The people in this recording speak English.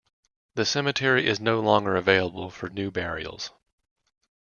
The cemetery is no longer available for new burials.